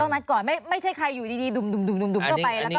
ต้องนัดก่อนไม่ใช่ใครอยู่ดีดุมก็ไป